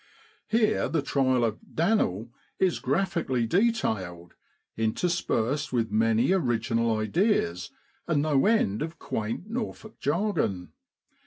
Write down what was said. Here the trial of ( Dan'l ' is graphically detailed, interspersed with many original ideas and no end of quaint Norfolk jargon.